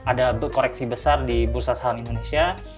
karena ada faktor covid ada koreksi besar di bursa saham indonesia